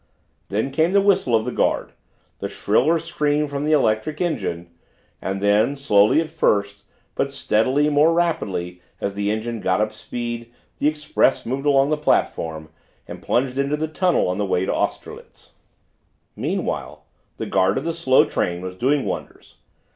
Then came the whistle of the guard, the shriller scream from the electric engine, and then, slowly at first but steadily, more rapidly as the engine got up speed, the express moved along the platform and plunged into the tunnel on the way to Austerlitz. Meanwhile the guard of the slow train was doing wonders.